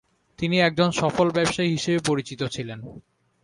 তিনি একজন সফল ব্যবসায়ী হিসেবে পরিচিত ছিলেন।